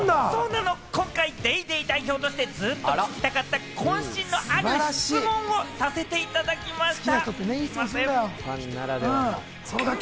今回『ＤａｙＤａｙ．』代表として、ずっと聞きたかった、こん身のある質問をさせていただきました。